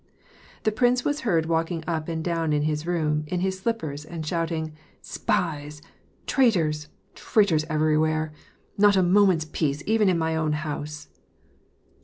The prince was heard walking up and down in his room, in his slippers, and shouting, " Spies !... Traitors, traitors every where ! Not a minute's peace even in my own house